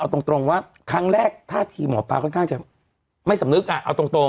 เอาตรงว่าครั้งแรกท่าทีหมอปลาค่อนข้างจะไม่สำนึกอ่ะเอาตรง